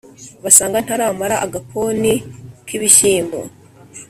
basanga ntaramara agakoni k' ibishyimbo,